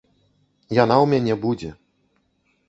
Яна ў мяне будзе.